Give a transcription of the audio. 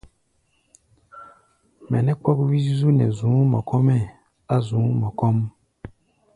Mɛ nɛ́ kpɔ́k wí-zúzú nɛ zu̧ú̧ mɔ kɔ́-mɛ́ á̧ zu̧ú̧ mɔ kɔ́ʼm.